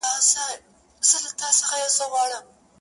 او له یوه ښاخ څخه بل ته غورځو -